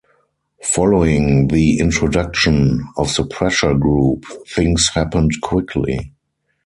Following the introduction of the pressure group, things happened quickly.